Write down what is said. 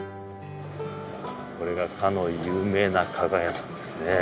これがかの有名な加賀屋さんですね。